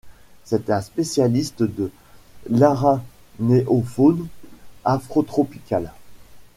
C'est un spécialiste de l'aranéofaune afrotropicale.